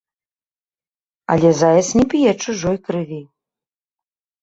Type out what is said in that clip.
Але заяц не п'е чужой крыві.